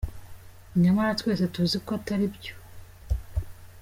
Nyamara twese tuzi ko atari byo.